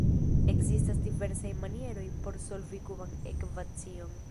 Ekzistas diversaj manieroj por solvi kuban ekvacion.